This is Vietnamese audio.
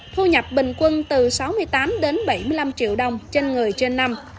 thu nhập bình quân từ sáu mươi tám đến bảy mươi năm triệu đồng trên người trên năm